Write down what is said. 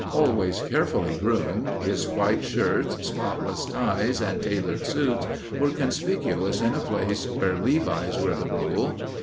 Always carefully groomed, his white shirts, spotless ties, and tailored suits were conspicuous in a place where levis were the rule.